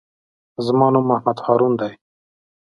زما نوم محمد هارون دئ.